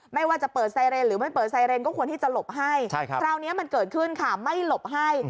ไม่ว่าจะเปิดไซเรนหรือไม่เปิดไซเรนก็ควรที่จะหลบให้คราวนี้มันเกิดขึ้นค่ะไม่หลบให้